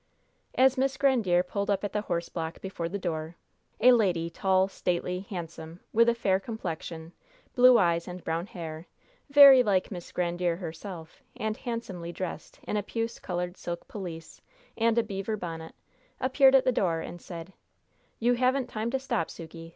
As Miss Grandiere pulled up at the horse block before the door, a lady, tall, stately, handsome, with a fair complexion, blue eyes and brown hair, very like Miss Grandiere herself, and handsomely dressed in a puce colored silk pelisse, and a beaver bonnet, appeared at the door, and said: "You haven't time to stop, Sukey.